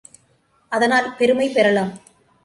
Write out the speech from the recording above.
அதனால் பெருமை பெறலாம்.